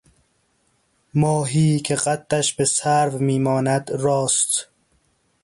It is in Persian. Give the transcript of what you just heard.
ماهی که قدش به سرو میماند راست